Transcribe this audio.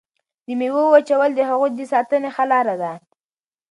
د میوو وچول د هغوی د ساتنې ښه لاره ده.